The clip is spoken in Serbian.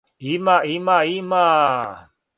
Има, има, има!